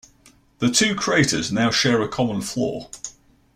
The two craters now share a common floor.